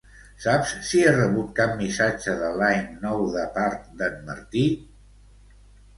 Saps si he rebut cap missatge de Line nou de part d'en Martí?